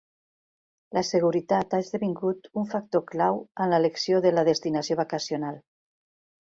La seguretat ha esdevingut un factor clau en l'elecció de la destinació vacacional.